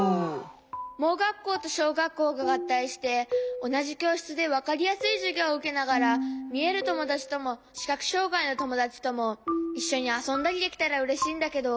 盲学校としょうがっこうががったいしておなじきょうしつでわかりやすいじゅぎょうをうけながらみえるともだちともしかくしょうがいのともだちともいっしょにあそんだりできたらうれしいんだけど。